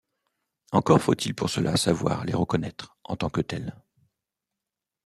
Encore faut-il pour cela savoir les reconnaitre en tant que telles.